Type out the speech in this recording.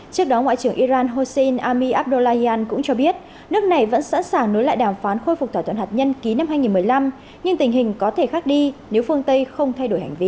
trước đó ngoại trưởng iran hossein ami abdullahian cũng cho biết nước này vẫn sẵn sàng nối lại đàm phán khôi phục thỏa thuận hạt nhân ký năm hai nghìn một mươi năm nhưng tình hình có thể khác đi nếu phương tây không thay đổi hành vi